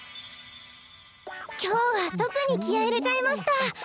今日は特に気合い入れちゃいました。